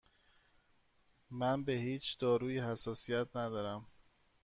من به هیچ دارویی حساسیت ندارم.